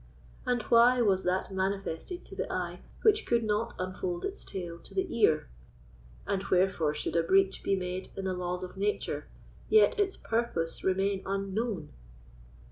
And why was that manifested to the eye which could not unfold its tale to the ear? and wherefore should a breach be made in the laws of nature, yet its purpose remain unknown?